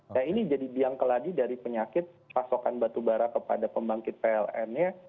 nah ini jadi biang keladi dari penyakit pasokan batubara kepada pembangkit pln nya